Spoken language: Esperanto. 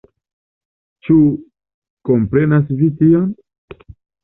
Ĉu komprenas vi tion?